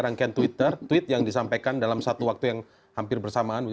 rangkaian twitter tweet yang disampaikan dalam satu waktu yang hampir bersamaan